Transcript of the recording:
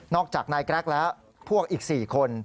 จากนายแกรกแล้วพวกอีก๔คน